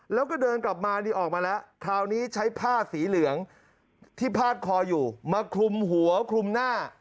แล้วก็เดินกลับมานี่ออกมาแล้วคราวนี้ใช้ผ้าสีเหลืองที่พาดคออยู่มาคลุมหัวคลุมหน้า